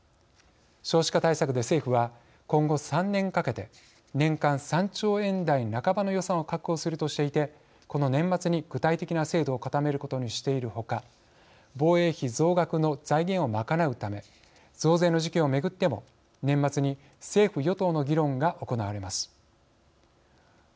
少子化対策で、政府は今後３年かけて年間３兆円台半ばの予算を確保するとしていてこの年末に具体的な制度を固めることにしている他防衛費増額の財源を賄うため増税の時期を巡っても年末に政府・与党の議論が行われます。